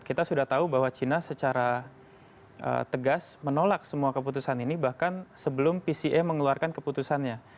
kita sudah tahu bahwa china secara tegas menolak semua keputusan ini bahkan sebelum pca mengeluarkan keputusannya